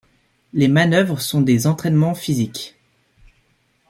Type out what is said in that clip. Les manœuvres sont des entrainements physiques.